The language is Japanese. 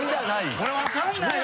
これ分からないよ